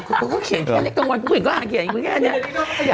เขาก็เขียนแค่นี้กลางวันผู้หญิงก็อ่านเขียนแค่นี้